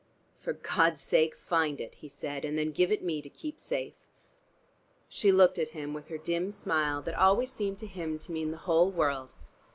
"For God's sake find it," he said, "and then give it me to keep safe." She looked at him, with her dim smile that always seemed to him to mean the whole world.